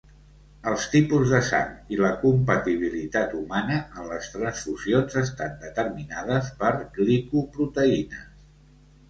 Els tipus de sang i la compatibilitat humana en les transfusions estan determinades per glicoproteïnes.